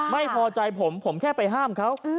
ไม่พอใจผมผมแค่ไปห้ามเขา